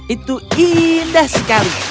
itu indah sekali